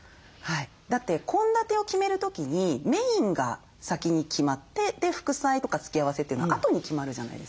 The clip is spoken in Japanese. だって献立を決める時にメインが先に決まってで副菜とか付け合わせというのはあとに決まるじゃないですか。